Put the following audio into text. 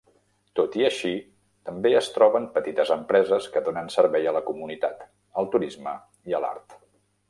Tot i així, també es troben petites empreses que donen servei a la comunitat, al turisme i a l'art.